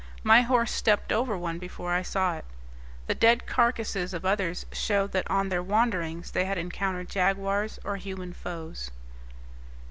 My horse stepped over one before I saw it. The dead carcasses of others showed that on their wanderings they had encountered jaguars or human foes.